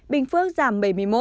bình phước giảm bảy mươi một